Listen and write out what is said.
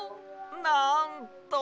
なんと！